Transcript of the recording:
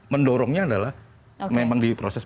mendorongnya adalah memang di proses